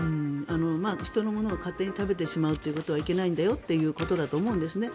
人のものを勝手に食べてしまうことはいけないんだよということだと思うんですね。